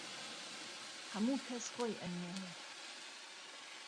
هەموو کەس خۆی ئەنوێنێ